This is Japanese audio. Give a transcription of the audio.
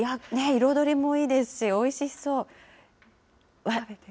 色どりもいいですし、おいしそう。